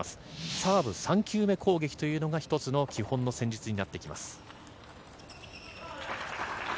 サーブ３球目攻撃というのが基本の戦術になってきます。